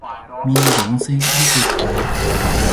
みんなで温泉旅行いきたい。